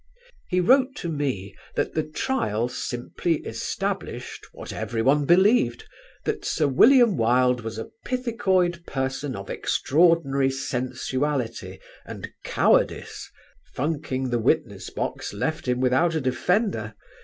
He wrote to me that the trial simply established, what every one believed, that "Sir William Wilde was a pithecoid person of extraordinary sensuality and cowardice (funking the witness box left him without a defender!)